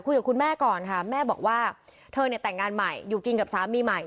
คุยกับคุณแม่ก่อนค่ะแม่บอกว่าเธอเนี่ยแต่งงานใหม่อยู่กินกับสามีใหม่